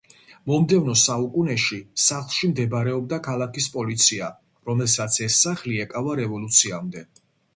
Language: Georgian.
მომდევნო საუკუნეში სახლში მდებარეობდა ქალაქის პოლიცია, რომელსაც ეს სახლი ეკავა რევოლუციამდე.